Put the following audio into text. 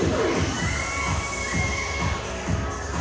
อยู่ในประเทศนั้น